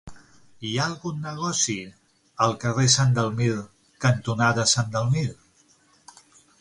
Hi ha algun negoci al carrer Sant Dalmir cantonada Sant Dalmir?